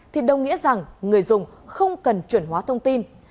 thì đồng nghĩa rằng người dùng không cần chuẩn hóa thông tin